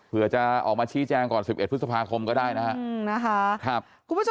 เพื่อจะออกมาชี้แจงก่อน๑๑พฤษภาคมก็ได้นะครับ